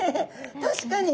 確かに。